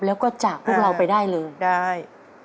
แล้วก็จากพวกเราไปได้เลยได้